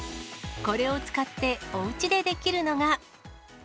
これを使って、おうちでできるのが。